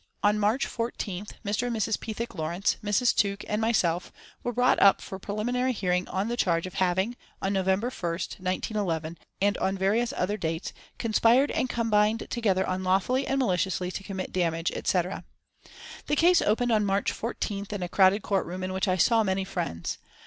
On March 14th Mr. and Mrs. Pethick Lawrence, Mrs. Tuke and myself were brought up for preliminary hearing on the charge of having, on November 1, 1911, and on various other dates "conspired and combined together unlawfully and maliciously to commit damage, etc." The case opened on March 14th in a crowded courtroom in which I saw many friends.